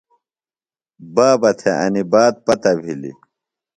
بابہ تھےۡ انیۡ بات پتہ بِھلیۡ۔